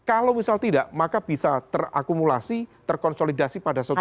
kalau misal tidak maka bisa terakumulasi terkonsolidasi pada sosialisasi